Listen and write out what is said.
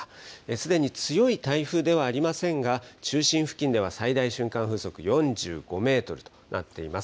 すでに強い台風ではありませんが、中心付近では最大瞬間風速４５メートルとなっています。